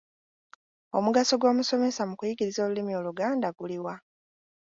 Omugaso gw’omusomesa mu kuyigiriza olulimi Oluganda guli wa?